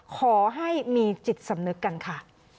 ขอให้มีจิตสำนึกกันค่ะ